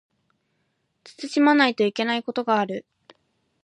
慎まないといけないことがある